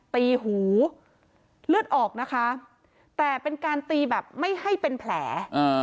ตีหูเลือดออกนะคะแต่เป็นการตีแบบไม่ให้เป็นแผล